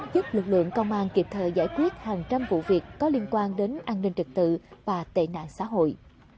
giúp lực lượng công an kịp thời giải quyết hàng trăm vụ việc có liên quan đến an ninh trực tự và tệ nạn xã hội